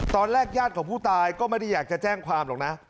ญาติของผู้ตายก็ไม่ได้อยากจะแจ้งความหรอกนะ